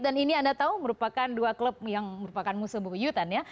dan ini anda tahu merupakan dua klub yang merupakan musuh buku yutan ya